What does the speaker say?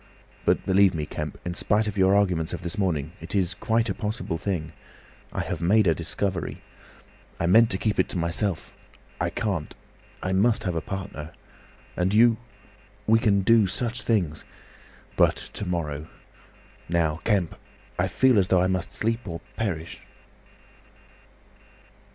But believe me, Kemp, in spite of your arguments of this morning, it is quite a possible thing. I have made a discovery. I meant to keep it to myself. I can't. I must have a partner. And you.... We can do such things ... But to morrow. Now, Kemp, I feel as though I must sleep or perish."